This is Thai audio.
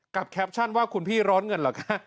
แคปชั่นว่าคุณพี่ร้อนเงินเหรอคะ